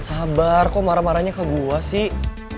sabar kok marah marahnya ke gua sih